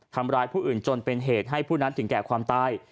ทำร้ายผู้อื่นจนเป็นเหตุให้ผู้นั้นถึงแก่ความตาย